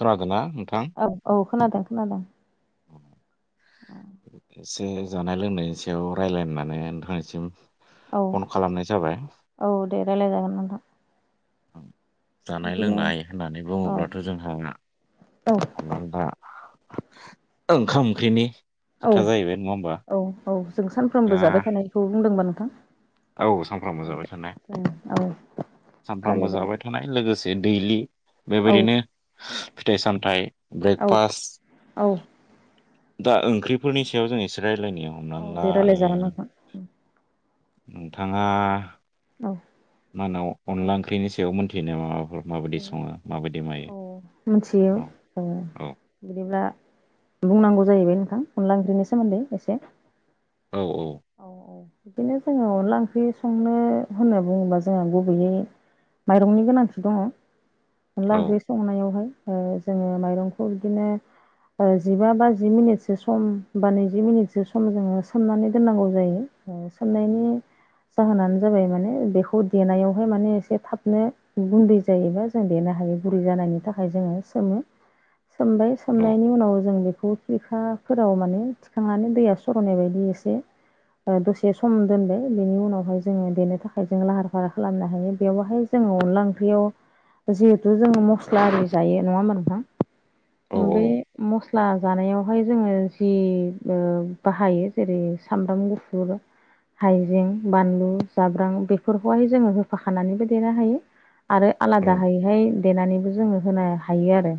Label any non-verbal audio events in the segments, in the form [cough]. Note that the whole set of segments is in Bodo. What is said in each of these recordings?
खोनादोंना नोंथां औ औ खोनादों खोनादों एसे जानाय लोंनायनि सायाव रायलायनानै नोंथांनिसिम औ फन खालामनाय जाबाय औ दे राय्लाय जागोन नोंथां औ जानाय बिदिनो लोंनाय होननानै औ बुङोब्लाथ' जोंहा औ हमनानै दा ओंखाम ओंख्रिनि औ खोथा जाहैबाय नङा होमबा औ औ जों दा सानफ्रोमबो जाबाय थानायखौ बुंदोंबा नोंथां औ सानफ्रामबो औ जाबाय थानाय जों औ रायलाय सानफ्रामबो जागोन जाबाय थानाय लोगोसे ज दैलि औ बेबायदिनो फिथाइ सामथाइ औ ब्रेकफास्ट औ दा ओंख्रिफोरनि सायाव जों इसोराय रायलायनाय हमनानै औ ला दे रायलाय जागोन नोंथां नोंथाङा औ मानाव अनला ओंख्रिनि सायाव मोन्थियो नामा माबाफोर माबायदि सङो माबायदि मायो औ मिथियो औ बिदिब्ला बुंनांगौ जाहैबाय नोंथां अनला ओंख्रिनि सोमोन्दै एसे औ औ बिदिनो जोङो अनला ओंख्रि संनो होनना बुङोबा जोंहा गुबैयै माइरंनि गोनांथि दङ अनला ओंख्रि औ संनायावहाय ओ जोङो माइरंखौ बिदिनो जिबा बा जि मिनिटसो सम बा नैजि मिनिटसो सम जोङो सोमनानै दोननांगौ जायो सोंनायनि जाहोनानो जाबाय माने बेखौ देनायावहाय माने एसे थाबनो गुन्दै जायोबा जों देनो हायै बुरै जानायनि थाखाय जोङो सोमो सोमबाय औ सोमनायनि उनाव जों बे फुदखेखाफोराव माने थिखांनानै दैया सर'नाय बायदि एसे दसे सम दोनबाय बेनि उनावहाय जोङो देनो थाखाय जों लाहार फाहार खालामनो हायो बेवहाय जोङो अनला ओंख्रियाव जिहेथु जोङो मस्ला आरि जायो नङा होमबा नोंथां औ उम बे मस स्ला जानायावहाय जोङो जि ओ बाहायो जेरै सामब्राम गुफुर हाइजें बानलु जाब्रां बेफोरखौहाय जोङो होफाखानानैबो देरनो हायो। आरो औ आलादाहायैहाय देनानैबो जोङो होनो हायो आरो।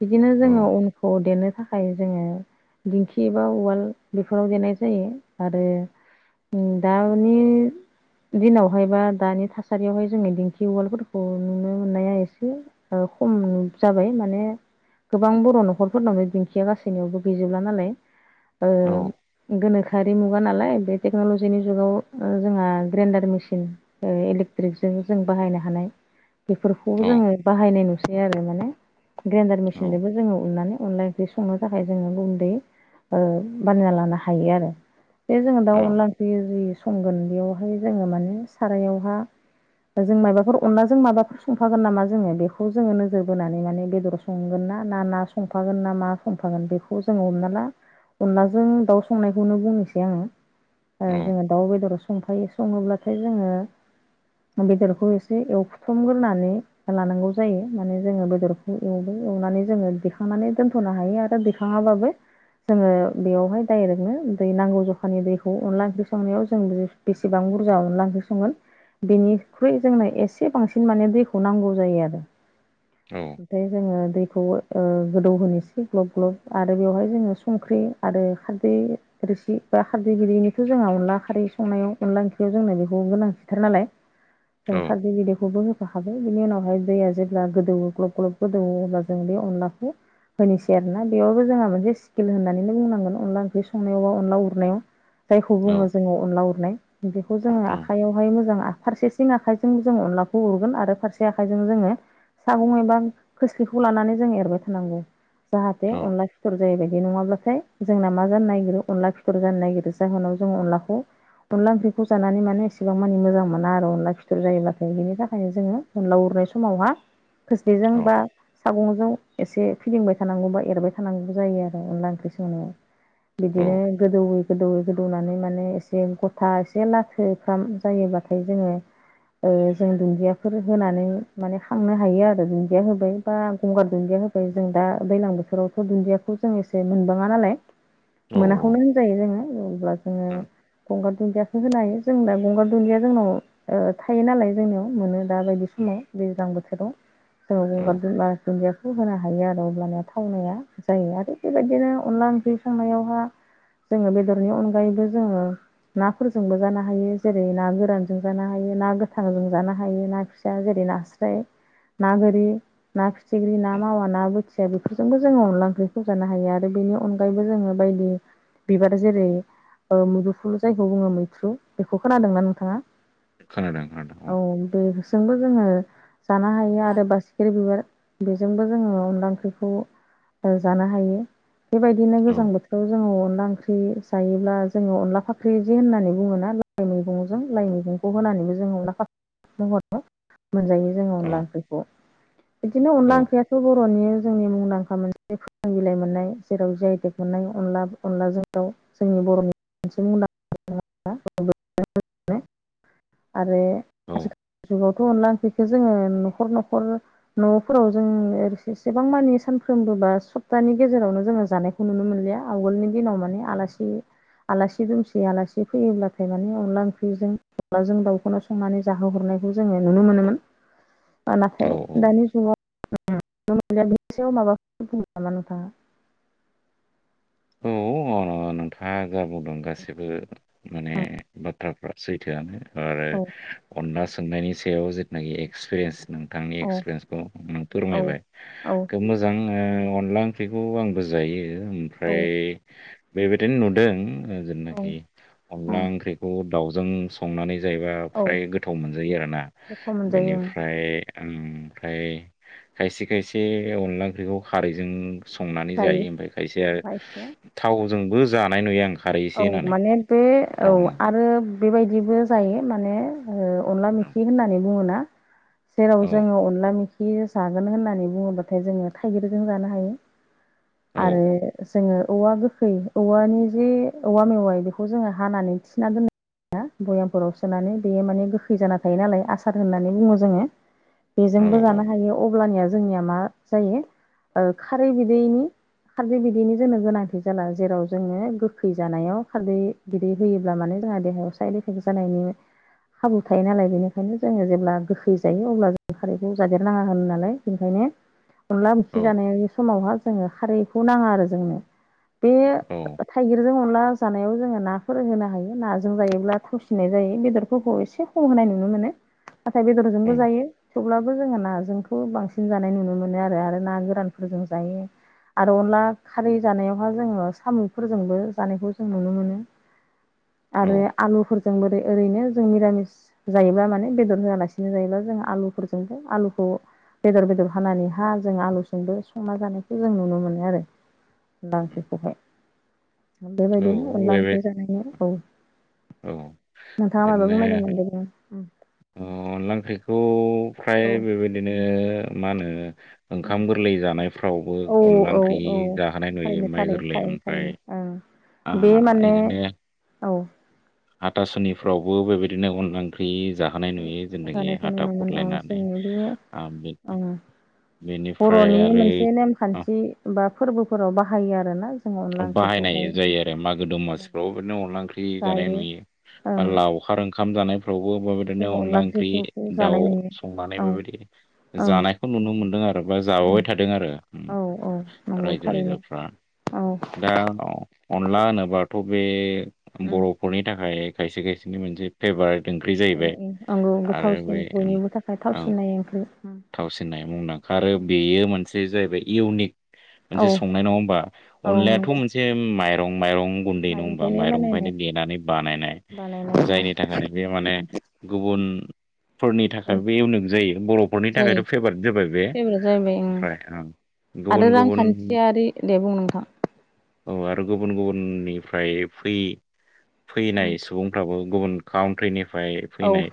बिदिनो औ जोङो उनखौ देनो थाखाय जोङो दिंखि बा उवाल बेफोराव देनाय जायो आरो उम दानि दिनावहाय बा दानि थासारियावहाय जोङो दिंखि उवालफोरखौ नुनो मोननाया एसे ओ खम जाबाय माने गोबां बर' न'खरफोरनाव बे दिंखिया गासैनियावबो गैजोबला नालाय ओ औ गोनो खोयारि मुगा नालाय बे टेक्न'लजिनि जुगाव जोंहा ग्रेन्डार मेसिन इलेकट्रिकजों जों बाहायनो हानाय बेफोरखौ जोङो औ बाहायनाय नुसै आरो माने ग्रेन्डार औ मेसिनजोंबो जोङो उननानै अनलाय ओंख्रि संनो थाखाय जोङो गन्दै ओ बानायना लानो हायो आरो। बे जोङो औ दाउ अनला ओंख्रियो जि संगोन बेयावहाय जोङो माने सारायावहा जों माबाफोर अनलाजों माबाफोर संफागोन नामा जोङो बेखौ जोङो नोजोर बोनानै माने बेदर संगोन ना ना संफागोन ना मा संफागोन बेखौ जोङो हमना ला अनलाजों दाउ संनायखौनो बुंनोसै आङो जोङो ओ दाउ बेदराव संफायो सङोब्लाथाय जोङो बेदरखौ एसे एवखथमग्रोनानै लानांगौ जायो माने जोङो बेदरखौ एवबाय एवनानै जोङो दैखांनानै दोन्थ'नो हायो आरो दैखाङाबाबो जोङो बेवहाय डाइरेक्टनो दै नांगौ जखानि दैखौ अनला ओंख्रि संनायाव जों बेसेबां बुरजा अनला ओंख्रि संगोन बेनिख्रुइ जोंनो एसे बांसिन माने दैखौ नांगौ जायो आरो। ओमफ्राय जोङो दैखौ ओ गोदौ होनोसै ग्लब ग्लब आरो बेवहाय जोङो संख्रि आरो खारदै रोसि बा खारदै गियैनिथ' जोंहा अनला खारै संनायाव अनला ओंख्रियाव जोंनो बेखौ गोनां खिथार नालाय जों खारदै बिदैखौबो हो फाखाबाय बिनि उनावहाय दैया जेब्ला गोदौवो ग्लब ग्लब गोदौवो अब्ला जों बे अनलाखौ होनोसै आरो ना बेयावबो जोंहा मोनसे स्किल होननानै बुंनांगोन अनला ओंख्रि संनायावबा अनला उर नायाव जायखौ बुङो जोङो अनला उरनाय बेखौ जोङो आखाइयावहाय मोजां आ फारसेथिं आखाइजों जोंङ अनलाखौ उरगोन आरो फारसे आखाइजों जोङो सागं एबा खोस्लिखौ लानानै जों एरबाय थानांगौ। जाहाथे अनला फिथर जायो बायदि नङाब्लाथाय जोंना मा जानो नागिरो अनला फि थर जानो नागिरो जाहोनाव जों अनलाखौ अनला ओंख्रिखौ जानानै माने एसेबां मानि मोजां मोना आरो अनला फिथुर जायोब्लााथाय बिनि थाखायनो जोङो अनला उर समावहा खोस्लिजों बा सागंजों एसे फिदिंबाय थानांगौ बा एरबाय थानांगौ जायो आरो अनला ओंख्रि संनायाव। औ बिदिनो गोदौयै गोदौैयै गोदौनानै माने एसे गथा एसे लाथोफ्राम जायोबाथाय जोङो जों दुन्दियाफोर होनानै माने खांनो हायो आरो दुन्दिया होबाय बा गंगार दुन्दिया होबाय जों दा दैज्लां बोथोरावथ' दुन्दियाखौ जों एसे मोनबाङा नालाय औ सावनानै जायो जोङो अब्ला जोङो औ गंगार दुन्दियाखौ होनो हायो जों दा गंगार दुन्दिया जोंनाव ओ थायो नालाय जोंनियाव मोनो दा बायदि समाव दैज्लां बोथोराव जोङो गंगार दुन्दियाखौ होनो हायो आरो अब्लानिया थावनाया जायो आरो बेबायदिनो अनला ओंख्रि सांनायावहा जोङो बेदरनि अनगायैबो जोङो नाफोरजोंबो जानो हायो जेरै ना गोरानजों जानो हायो ना ना गोथां जों जानो हायो ना फिसा जेरै नास्राय ना गोरि, ना फिथिख्रि, ना मावा, ना बोथिया, बेफोरजोंबो जोङो अनला ओंख्रिखौजानो हायो आरो बेनि अनगायैबो जोङो बायदि बिबार जेरै ओ मोदुफुल जायखौ बुङो मैथ्रु बेखौ खोनादोंना नोंथाङा? खोनादों औ खोनादों बेजोंबो जोङो जानो हायो आरो बासिख्रि बिबार बेजोंबो जोङो अनला ओंख्रिखौ जानो हायो बेबायदिनो औ गोजां बोथोराव जोङो अनला ओंख्रि जायोब्ला जोङो अनला फाख्रि दि होननानै बुङोना लाइ मैगंजों लाइ मैगं। खौ होनानैबो जोंङ अनला खा महराव मोनजायो जोङो औ अनला ओंख्रिखौ बिदिनो अनला ओंख्रियाथ' बर'नि जोंनि मुंदांखा मोनसे फोरों बिलाइ मोननाय जेराव जाय देब मोननाय। अनला अनलाजों दाउ जोंनि बर'नि मोनसे [unintelligible] आरो औ [unintelligible] जुगाव नलांफैखो जोङो न'खर न'खर न'फोराव जोंसेबां मानि सानफ्रोमबो। बा सप्ताहानि गेजेरावनो जोङो जानायखौ नुनो मोनलिया आवगोलनि दिनाव माने आलासि आलासि दुमसि आलासि फैयोब्लाथाय माने अनला ओंख्रिजों अनलाजों दाउखौनो संनानै जाहो हरनाय। जोङो नुनो मोनोमोन। [inaudible] नाथाय दानि जुगाव से माबाफोर बुङो नामा नोंथाङा? औ दङ नोंथाङा जा बुंदों गाससिबो माने बाथ्राफ्रा सैथोआनो आरो औ अनला सोंनायनि सायाव जिथुनाखि एक्सपिरियेन्स नोंथांनि औ एक्सपिरियेन्सखौ नों औ फोरमायबाय औ खोब मोजां अनला ओंख्रिखौ आंबो जायो औ ओमफ्राय बेबायदिनो नुदों। औ जेनाखि अनला ओंख्रिखौ दाउजों संनानै जाहैबा औ फ्राय गोथाव मोनजायो आरोना गोथाव मोनजायो ओं बेनिफ्राय ओमफ्राय खायसे खायसे अनला ओंख्रिखौ खारैजों संनानै जायो ओमफ्राय खायसे आरो खायसेया जोंबो जानाय नुयो आं खारै औ एसे होनानै माने बे औ थाव आरो बेबायदिबो जायो माने आरो अनला मोखि होननानै बुङोना? जेराव औ जोङो अनला मे खि जागोन होननानै बुङोब्लाथाय जोङो थाइगिरजों जानो हायो औ आरो जोङो औवा गोखै औवानि जे औवा मेवाइ बेखौ जोङो हानानै थिना दोनो। भयामफोराव सोनानै बेयो माने गोखै जाना थायो नालाय आसार होननानै बुङो जोङो औ बेजोंबो जानो हायो अब्लानिया जोंनिया मा जायो। खारै बिदैनि खारै बिदैनि जोंनो गोनांथि जाला जेराव जोंनो फैजानायाव खारदै गिदै होयोब्ला मानोे जोंहा देहायाव साइद इफेक्ट जानायनि खाबु थायो नालाय बेनिखायनो जोङो जेब्ला गोखै जायो अब्ला जों खारैखौ जादेरनाङा होन नालाय बेनिखायनो [unintelligible] अनला औ ओखि जानाय समावहा जोङो खारैखौ नाङा आरो जोंनो बे थाइगिरजों अनला जानायाव जोङो नाफोर होनो हायो नाजों जायोब्ला थावसिनाय जायो बेदरफोरखौ एसे खम होनाय नुनो मोनो नाथाय औ बेदरजोंबो जायो। थेवब्लाबो जोङो नाजोंथ' बांसिन जानाय नुनो मोनो आरो आरो ना गोरानफोरजों जायो। आरो अनला खारै जानायावहा जोङो सामु फोर ज जों नुनो मोन औ आरो आलु जों बोरै ओरैनो जों निरामिस जायोब्ला माने बेदर होआलासिनो जायोबा जों आलुफोरजोंबो आलुखौ बेदर बेदर हानानै हा जों आलुजोंबो संना जानायखौ जों नुनो मोनो आरो अनला ओंख्रिखौहाय बेबायदिनो औ अनला बे ओंख्रि जानायनि औ औ नोंथाङा माबा ओरैनो बुंनायदोंमोन दे बुं ओ अनला ओंख्रिखौ फ्राय बेबायदिनो मा होनो औ ओंखाम गोरलै जानायफ्रावबो औ अनला औ ओंख्रि औ जाहोनाय नुयो थारैनो माइ थारैनो गोरलै। थारैनो ओमफ्राय थारैनो आ ओं बे माने इदिनो औ हाथासुनिफ्रावबो बेबायदिनो अनला ओंख्रि जाहोनाय नुयो जोंनाखि जाहोनायखौ हाथा नुनो मोनो औ खुरलायनानै। जोंनि बे आ ओं बेनिफ्राय बर'नि आरो मोनसे अ, नेमखान्थि बा फोरबोफोराव बाहायो आरोना। जों अनला बाहायनाय ओंख्रिखौहाय जायो आरो मागो दमासिफ्राव बिदिनो अनला ओंख्रि जानाय जायो ओ नुयो। लावखार ओंखाम- फ्रावबो बेबायदिनो जोङो अनला ओंख्रि ओंख्रिखौखौ दाउ जानाय नुयो संनानै औ बेबायदि औ जानायखौ नुनो मोनदों आ- आरोबा जाबोबाय थादों आरो उम औ औ नंगौ थारैनो रायजो-राजाफ्रा। औ दा अ अनला होनोबाथ' बे उम बर'फोरनि थाखाय खायसे खायसेनि मोनसे फेभारेट ओंख्रि औ जाहैबाय औ आंगौ आरो बे गोथावसिन बयनिबो थाखाय औ थावसिननाय ओंख्रि। उम थावसिननाय मुंदांखा आरो उम बेयो मोनसे जाहैबाय इउनिक मोनसे औ संनाय नङा होमबा। औ अनलायाथ' नंगौ मोनसे माइ- माइरं गुन्दै नङा होमबा माइरंनिफ्रायनो देनानै बानायनाय। बानायनाय औ जायनि थाखाय बे माने गुबुनफोरनि औ थाखायबो इउनिक जायो बर'- नि थाखायथ' जायो फेभारेट जाबाय बे। फेभरेट जाहैबाय ओं ओमफ्राय ओ आरो रांखान्थियारि‌। दे बुं नोंथां। औ आरो गुबुन गुबुननिफ्राय फै फैनाय उम सुबुंफ्राबो गुबुन काउन्ट्रिनिफ्राय औ फैनाय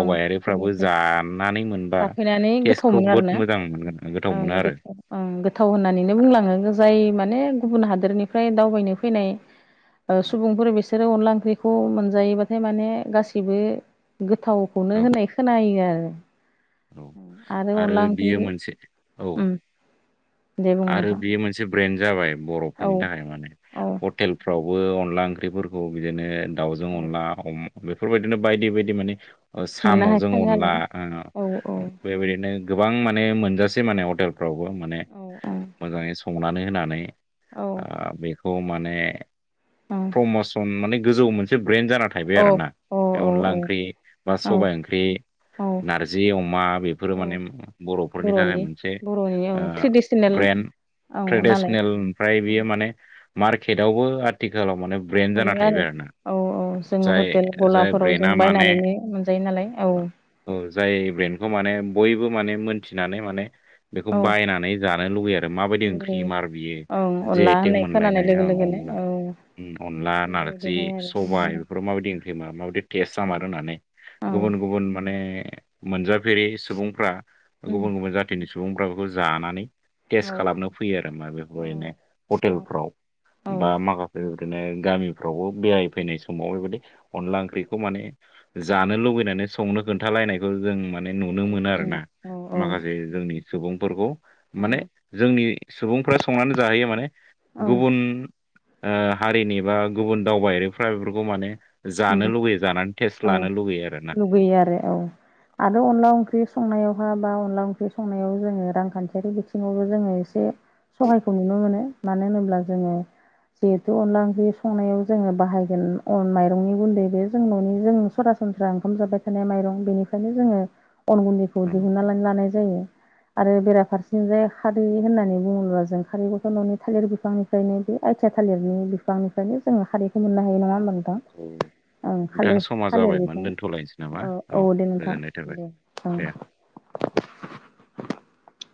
ओं हादोरनिफ्राय जानानै मोनबा जाफैनानै गोथाव तेसखौ मोनो बहुत आरोना मोजां मोनो। मोनगोन गोथाव ओं आरो गोथाव ओं गोथाव होननानैनो बुंलाङो। जाय माने गुबुन हादोरनिफ्राय दावबायनो फैनाय सुबुंफोर बिसोरो अनला ओंख्रिखौ मोनजायोबाथाय माने गासैबो गोथावखौनो औ होननाय खोनायो आरो। औ आरो अनला बियो ओंख्रि मोनसे औ उम दे बुं आरो नोंथां बेयो मोनसे ब्रेन्ड जाबाय औ बर'फोरनि थाखाय माने औ हटेलफ्राव। बो अनला ओंख्रिफोरखौ बिदिनो दाउजों औ अनला अमा। बेफोरबायदिनो बायदि बायदि माने मोननो हाय साम'जों थाङो अनला आरोना ओ। औ औ बेबायदिनो गोबां माने मोनजासै माने हटेल- फ्रावबो माने औ मोजाङै संनानै होनानै ओ बेखौ मा- माने औ फ्रमसन गोजौ मोनसे ब्रेन्ड जाना थाहैबाय औ आरोना। औ बे अनला औ ओंख्रि बा औ सबाय ओंख्रि औ नारजि अमा बेफोरो औ माने बर'फोरनि थाखाय बर'नि मोनसे बर'नि ओं ओ ट्रेडिसनेल ब्रे- न्द औ नालाय ट्रेडिसनेल ओमफ्राय ओं बियो माने मार्केटआवबो आथिखालाव माने ब्रइेन जाना मोनो आरो थाहैबाय आरोना। औ औ जोङो जाय हटेल जाय गलाफोराव जों ब्रेना माने बायनानैनो मोनजायो नालाय औ औ जाय ब्रेन्डखौ माने बयबो माने मोनथिनानै माने बेखौ औ बायनानै जानो लुुबैयो आरो माबायदि ओंख्रि लुबैयो मार बियो ओं जे अनला आइ टेंग होननाय खोनानाय मोनलायनाय लोगो ओ लोगोनो अनला। औ अनला, नारजि, बेबायदिहाय सबाइ आरो बेफोराव माबायदि ओंख्रिमा माबायदि टेस्टआ औ मार होननानै। औ गुबुन गुबुन माने मोनजाफेरि सुबुंफ्रा औ गुबुन गुबुन जाथिनि सुबुंफ्रा बेखौ जानानै। टेस्ट औ खालामनो फैयो आरो मा बेफोरहायनो औ हटेलफ्राव। औ बा माबा बिदिनो गामिफ्रावबो बेराय फैनाय समाव बेबायदि अनला ओंख्रिखौ माने जानो लुबैनाय माने संनो खोन्थालायनायखौ जों माने नुनो मोनो आरोना। माखासे जोंनि सुबुंफोरखौ माने उम जोंनि सुबुंफ्रा संनानै जाहैयो माने औ गुबुन ओ हारिनि बा गुबुन दावबायारिफ्रा बेफोरखौ माने उम जानो लुगैयो जानानै टेस्ट औ लानो लुगैयो आरोना। लुगैयो आरो औ आरो अनला ओंख्रि संनायाव हाबा अनला ओंख्रि संनायाव जोङो रांखान्थियारि बिथिङावबो जोङो एसे सहायखौ नुनो मोनो मानो होनोब्ला जोङो जिहेथु अनला ओंख्रि संनायाव जोङो बाहायगोन अन माइरंनि गुन्दै बे जों न'नि जों सरासनस्रा ओंखाम जाबाय थानाय माइरं बेनिफ्रायनो जोङो अन गुन्दैखौ औ दिहुननानै लानाय जायो आरो बेराफारसेथिंजाय खारै होननानै बुङोब्ला जों खारैखौथ' न'नि थालिर बिफांनिफ्रायनो आथिया थालिरनि बिफांनिफ्रायनो जोङो खारिखौ मोननो हायो नङा होमबा नोंथां औ ओं नोंथां थालिर समा जाबाय थालिर मोन बिफां दोन्थ'लायनोसै नामा औ गोजोननाय थाबाय दे [unintelligible]